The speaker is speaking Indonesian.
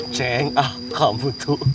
ceng ah kamu tuh